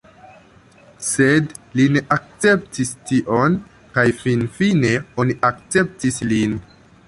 Sed li ne akceptis tion kaj finfine oni akceptis lin.